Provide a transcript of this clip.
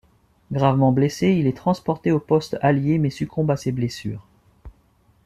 Gravement blessé, il est transporté au poste allié mais succombe à ses blessures.